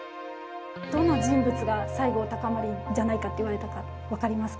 どの人物が西郷隆盛じゃないかっていわれたか分かりますか？